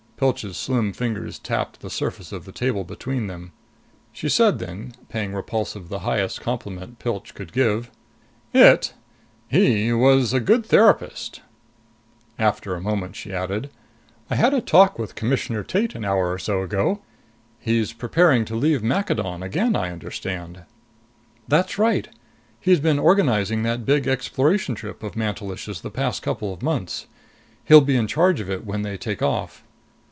Pilch's slim fingers tapped the surface of the table between them. She said then, paying Repulsive the highest compliment Pilch could give, "It he was a good therapist!" After a moment, she added. "I had a talk with Commissioner Tate an hour or so ago. He's preparing to leave Maccadon again, I understand." "That's right. He's been organizing that big exploration trip of Mantelish's the past couple of months. He'll be in charge of it when they take off."